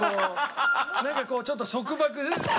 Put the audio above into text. なんかこうちょっと束縛できてる。